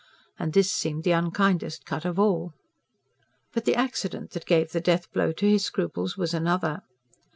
And this seemed the unkindest cut of all. But the accident that gave the death blow to his scruples was another.